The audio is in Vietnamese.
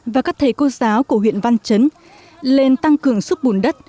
và các thầy cô giáo của huyện văn chấn lên tăng cường xúc bùn đất